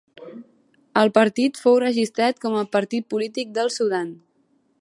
El partit fou registrat com a partit polític del Sudan.